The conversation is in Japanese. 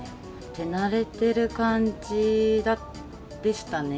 手慣れてる感じでしたね。